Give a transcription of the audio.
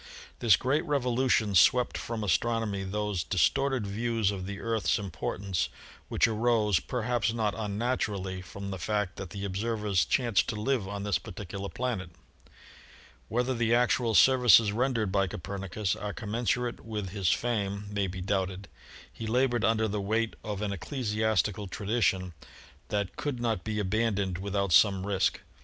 This great revolution swept from Astronomy those dis torted views of the Earth's importance which arose, per haps not unnaturally, from the fact that the observers chanced to live on this particular planet. Whether the actual services rendered by Copernicus are commensurate with his fame may be doubted. He labored under the weight of an ecclesiastical tradition that could not be abandoned without some risk.